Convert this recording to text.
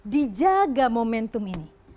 dijaga momentum ini